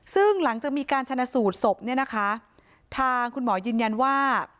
ซึ่งหลังจากมีการชนะสูดศพทางคุณหมอยืนยันว่า